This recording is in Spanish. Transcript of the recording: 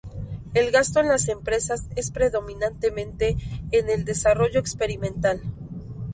El gasto en las empresas es predominantemente en el desarrollo experimental.